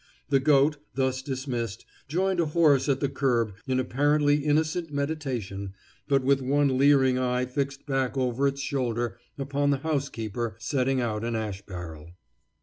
The goat, thus dismissed, joined a horse at the curb in apparently innocent meditation, but with one leering eye fixed back over its shoulder upon the housekeeper setting out an ash barrel.